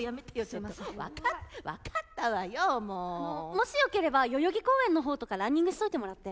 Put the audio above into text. もしよければ代々木公園のほうとかランニングしといてもらって。